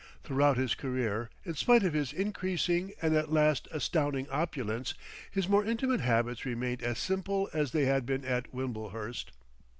Throughout his career, in spite of his increasing and at last astounding opulence, his more intimate habits remained as simple as they had been at Wimblehurst.